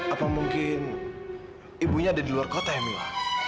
apa mungkin ibunya ada di luar kota ya mila